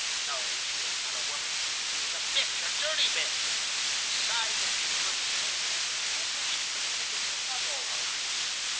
No, she is not a woman! She is a bitch, a dirty bitch! Beside the chamber of the children, whom she had pretended to love all her life!